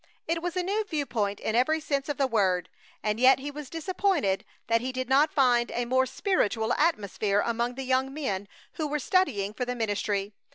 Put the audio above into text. It was a new viewpoint in every sense of the word. And yet he was disappointed that he did not find a more spiritual atmosphere among the young men who were studying for the ministry.